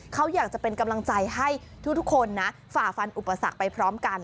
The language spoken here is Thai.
เขาอยากจะเป็นกำลังใจให้ทุกคนนะฝ่าฟันอุปสรรคไปพร้อมกัน